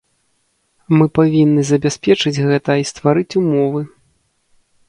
Мы павінны забяспечыць гэта і стварыць умовы.